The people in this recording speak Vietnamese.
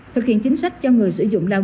thực hiện chính sách cho người sử dụng lao động